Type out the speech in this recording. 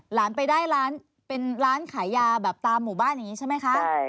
หลานไปได้ร้านเป็นร้านขายยาแบบตามหมู่บ้านอย่างนี้ใช่ไหมคะ